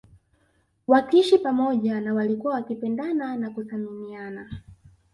Wakiishi pamoja na walikuwa wakipendana na kuthaminiana